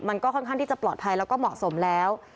มันก็ค่อนข้างที่จะปลอดภัยแล้วก็เหมาะสมแล้ว